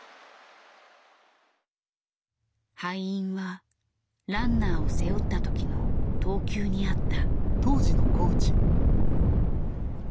敗因はランナーを背負ったときの投球にあった。